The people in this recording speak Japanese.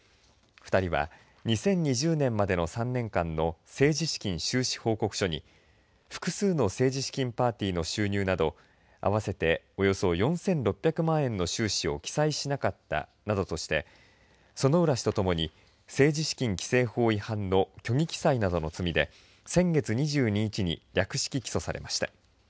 ２人は２０２０年までの３年間の政治資金収支報告書に複数の政治資金パーティーの収入など合わせておよそ４６００万円の収支を記載しなかったなどとして薗浦氏と共に政治資金規正法違反などの虚偽の記載などの罪で先月２２日に略式起訴されました。